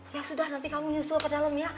ya sudah nanti kamu nyusul ke dalam ya